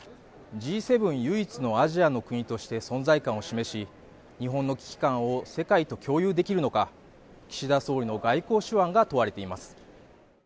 唯一のアジアの国として存在感を示し日本の危機感を世界と共有できるのか岸田総理の外交手腕が問われています